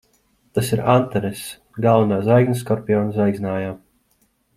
Tas ir Antaress. Galvenā zvaigzne Skorpiona zvaigznājā.